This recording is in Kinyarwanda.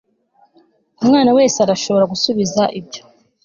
umwana wese arashobora gusubiza ibyo